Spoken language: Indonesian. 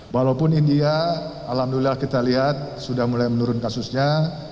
walaupun india alhamdulillah kita lihat sudah mulai menurun kasusnya